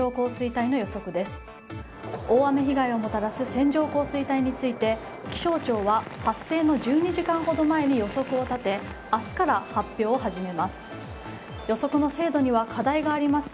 大雨被害をもたらす線状降水帯について気象庁は発生の１２時間ほど前に予測を立て明日から発表を始めます。